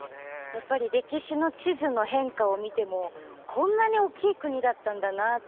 やっぱり歴史の地図の変化を見てもこんなに大きい国だったんだなって